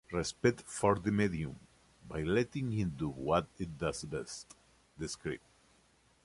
Respect for the medium, by letting it do what it does best, describe.